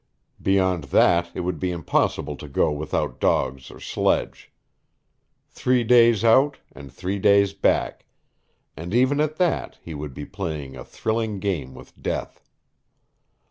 Beyond that it would be impossible to go without dogs or sledge. Three days out, and three days back and even at that he would be playing a thrilling game with death.